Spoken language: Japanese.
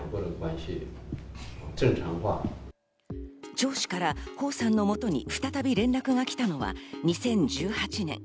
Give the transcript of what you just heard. チョウ氏からホウさんの元に再び連絡が来たのは２０１８年。